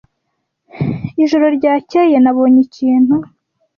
Ijoro ryakeye, nabonye ikintu.